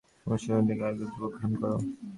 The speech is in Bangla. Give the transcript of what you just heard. অগ্নিমন্ত্রে দীক্ষিত একদল যুবক গঠন কর।